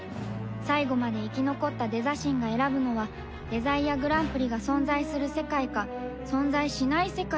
最後まで生き残ったデザ神が選ぶのはデザイアグランプリが存在する世界か存在しない世界か